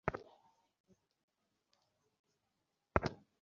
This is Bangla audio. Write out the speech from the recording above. সংস্কৃতিই পারে মানুষের মনের অন্ধকার দূর করতে, মানুষে মানুষে মিলন ঘটাতে।